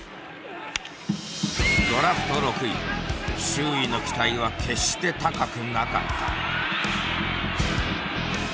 周囲の期待は決して高くなかった。